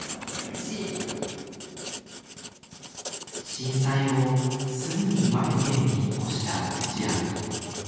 震災後すぐに岩手県に引っ越したちあき。